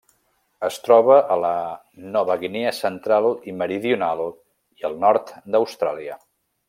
Es troba a la Nova Guinea central i meridional i el nord d'Austràlia.